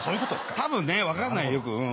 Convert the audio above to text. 多分ね分かんない。